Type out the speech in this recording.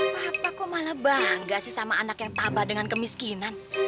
papa kok malah bangga sih sama anak yang tabah dengan kemiskinan